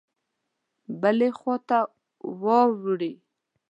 بلي خواته واړوي.